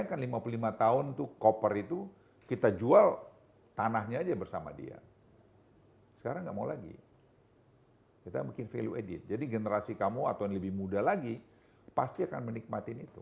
kita kan lima puluh lima tahun itu copper itu kita jual tanahnya aja bersama dia sekarang gak mau lagi kita bikin value added jadi generasi kamu atau yang lebih muda lagi pasti akan menikmati itu